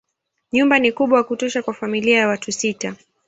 Nyumba ni kubwa kutosha kwa familia ya watu sita.